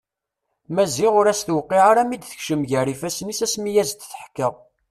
Maziɣ ur as-tuqiɛ ara mi d-tekcem gar ifasen-is asmi i as-d-teḥka.